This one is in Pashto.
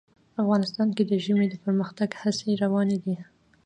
افغانستان کې د ژمی د پرمختګ هڅې روانې دي.